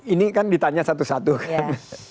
ini kan ditanya satu satu kan